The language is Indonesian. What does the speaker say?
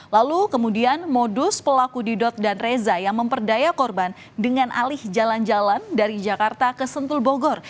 lalu kemudian modus pelaku didot dan reza yang memperdaya korban dengan alih jalan jalan dari jakarta ke sentul bogor